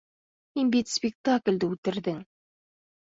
Һин бит спектаклде үлтерҙең!